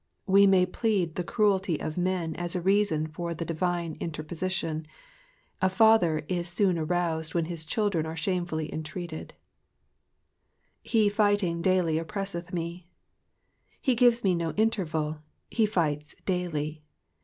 We may plead the cruelty of men as a reason for the divine inter position—a father is soon aroused when his children are shamefully entreated, *^ He fighting daily oppresseth witf." He gives me no interval — he fights daily.